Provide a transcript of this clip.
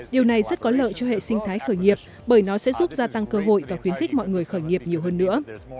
điều này rất có lợi cho hệ sinh thái khởi nghiệp bởi nó sẽ giúp gia tăng cơ hội và khuyến khích mọi người khởi nghiệp nhiều hơn nữa